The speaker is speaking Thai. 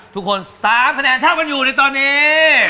ทุกคน๓คะแนนเท่ากันอยู่ในตอนนี้